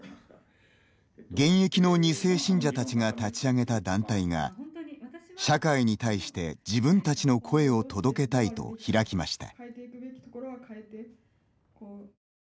現役の２世信者たちが立ち上げた団体が社会に対して、自分たちの声を届けたいと開きました。